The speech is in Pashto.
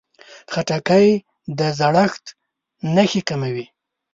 خټکی د زړښت نښې کموي.